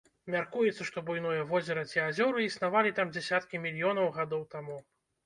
Мяркуецца, што буйное возера ці азёры існавалі там дзясяткі мільёнаў гадоў таму.